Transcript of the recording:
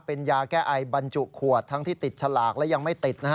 เป็นยาแก้ไอบรรจุขวดทั้งที่ติดฉลากและยังไม่ติดนะฮะ